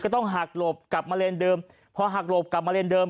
ต้องหักหลบกลับมาเลนเดิมพอหักหลบกลับมาเลนเดิม